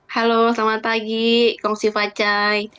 halo selamat pagi kong sifat cai